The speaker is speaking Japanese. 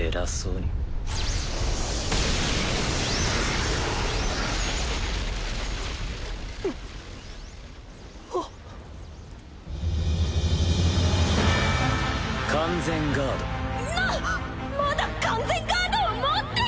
なまだ完全ガードを持っていた？